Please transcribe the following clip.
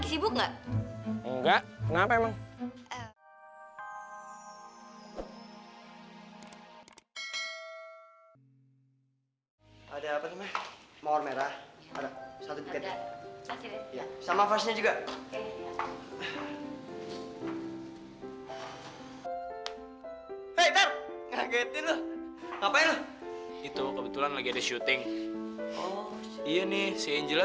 suka bunga juga ya